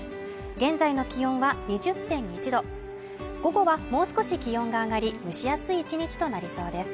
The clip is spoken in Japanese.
現在の気温は２０．１度午後は、もう少し気温が上がり、蒸しやすい１日となりそうです。